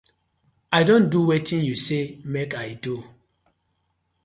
I don do wetin yu say mak I do.